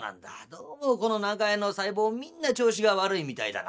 どうもこの長屋の細胞みんな調子が悪いみたいだが」。